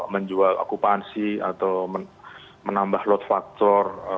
menjual okupansi atau menambah load factor